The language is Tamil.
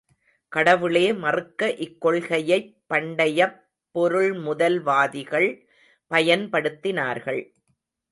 கடவுளே மறுக்க இக்கொள்கையைப் பண்டையப் பொருள்முதல்வாதிகள் பயன்படுத்தினர்கள்.